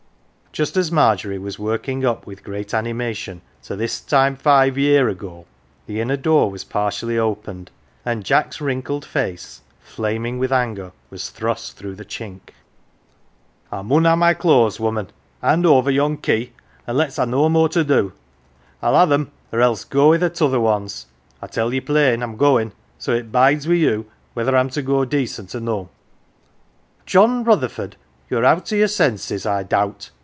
Just as Margery was working up with great anima tion to "this time five year ago," the inner door was partially opened, and Jack's wrinkled face, flaming with anger, was thrust through the chink. 124 "THE GILLY F'ERS" " I mun ha 1 my clothes, woman ! Hand over yon key an' let's ha 1 no more to do. I'll ha 1 them, or else go i' th' t'other ones. I tell ye plain I'm goin', so it bides wi' you whether I'm to go decent or no." "John Rutherford, you're out o' your senses I doubt